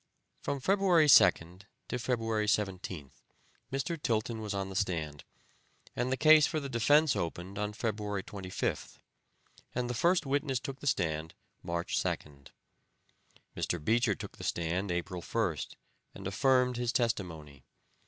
From February 2nd to February 17th, Mr. Tilton was on the stand, and the case for the defense opened on February 25th, and the first witness took the stand March 2nd. Mr. Beecher took the stand April 1st, and affirmed his testimony.